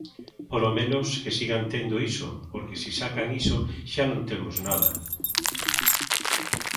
Polo menos que sigan tendo iso, porque si sacan iso xa non temos nada.